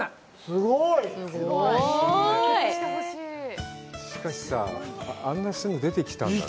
すごい！しかしさあ、あんなすぐ出てきたんだね。